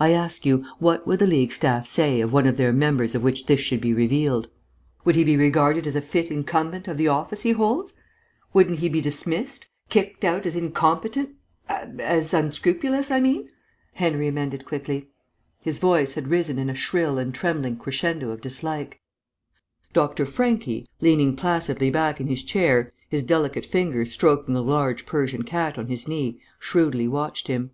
I ask you, what would the League staff say of one of their members of which this should be revealed? Would he be regarded as a fit incumbent of the office he holds? Wouldn't he be dismissed, kicked out as incompetent as unscrupulous, I mean," Henry amended quickly. His voice had risen in a shrill and trembling crescendo of dislike. Dr. Franchi, leaning placidly back in his chair, his delicate fingers stroking a large Persian cat on his knee, shrewdly watched him.